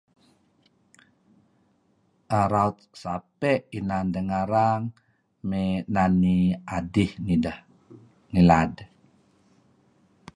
[ar] raut sape' inan deh ngarang mey nani adih nidah ngilad.